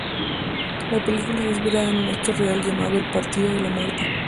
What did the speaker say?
La película está inspirada en un hecho real llamado El Partido de la Muerte.